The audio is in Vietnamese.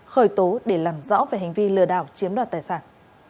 khởi tố để làm rõ về hành vi lừa đảo chiếm đoạt tài sản